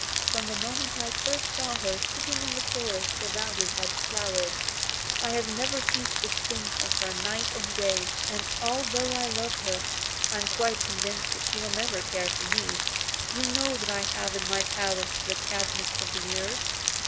From the moment that I first saw her, sitting in the forest surrounded by flowers, I have never ceased to think of her night and day, and, although I love her, I am quite convinced that she will never care for me. You know that I have in my palace the cabinets of the years.